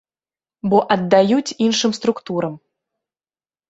Бо аддаюць іншым структурам.